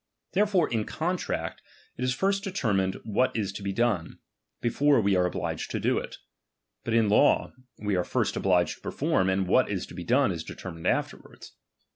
There foire in contract, it is first determined what is to b^ done, before we are obliged to do it ; but in /cear, we are first obliged to perform, and what is to 1»^ done is determined afterwards.